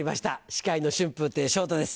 司会の春風亭昇太です